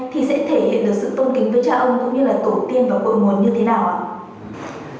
thì sẽ thể hiện được sự tôn kính với cha ông cũng như là tổ tiên và cội nguồn như thế nào ạ